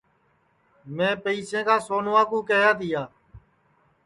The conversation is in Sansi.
میں پئیسے کا سونوا کیہیا تیا